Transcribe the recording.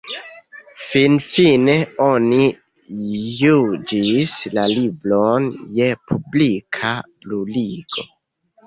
Finfine oni juĝis la libron je publika bruligo.